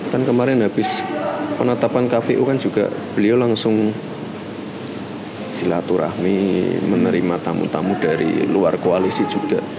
kan kemarin habis penetapan kpu kan juga beliau langsung silaturahmi menerima tamu tamu dari luar koalisi juga